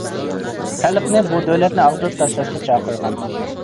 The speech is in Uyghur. خەلقنى بۇ دۆلەتنى ئاغدۇرۇپ تاشلاشقا چاقىرغان.